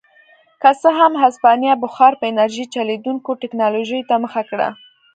که څه هم هسپانیا بخار په انرژۍ چلېدونکې ټکنالوژۍ ته مخه کړه.